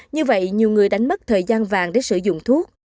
như vậy nhiều người đánh mất thời gian vàng để sử dụng thuốc